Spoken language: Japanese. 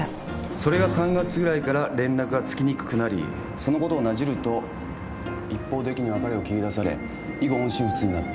「それが３月ぐらいから連絡がつきにくくなりそのことをなじると一方的に別れを切り出され以後音信不通になった」